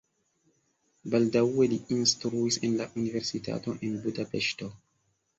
Baldaŭe li instruis en la universitato en Budapeŝto.